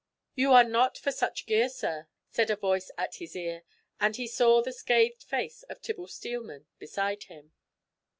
"You are not for such gear, sir," said a voice at his ear, and he saw the scathed face of Tibble Steelman beside him.